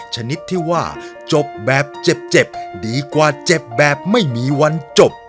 ชนิดที่ว่าจบแบบเจ็บดีกว่าเจ็บแบบไม่มีวันจบ